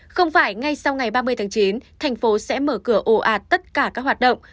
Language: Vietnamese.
không phải ngay sau ngày ba mươi tháng chín thành phố sẽ mở cửa ồ ạt tất cả các hoạt động